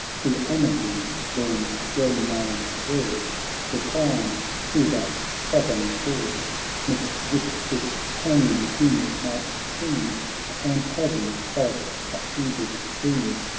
To Amadine, Lorn's well known word Replying to that Southern Lord, Mixed with this clanging din, might seem The phantasm of a fevered dream.